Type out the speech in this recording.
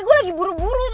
gue lagi buru buru